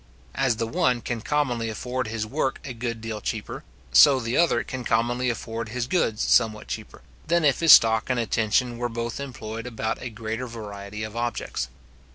As the one can commonly afford his work a good deal cheaper, so the other can commonly afford his goods somewhat cheaper, than if his stock and attention were both employed about a greater variety of objects.